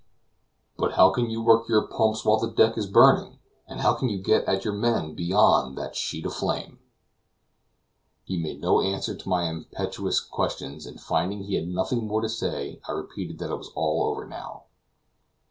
"But how can you work your pumps while the deck is burning? and how can you get at your men beyond that sheet of flame?" He made no answer to my impetuous questions, and finding he had nothing more to say, I repeated that it was all over now.